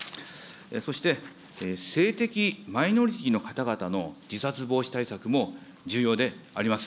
そして、性的マイノリティーの方々の自殺防止対策も重要であります。